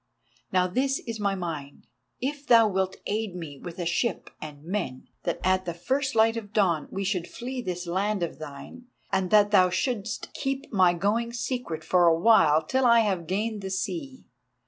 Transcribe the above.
Now this is my mind: if thou wilt aid me with a ship and men, that at the first light of dawn we should flee this land of thine, and that thou shouldest keep my going secret for awhile till I have gained the sea.